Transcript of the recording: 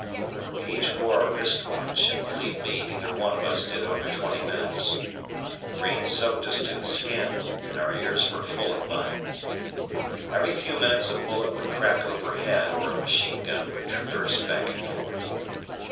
We each wore a wrist watch, and believe me, neither one of us did over twenty minutes. The rain soaked us to the skin and her ears were full of mud. Every few minutes a bullet would crack overhead or a machine gun would traverse back and forth.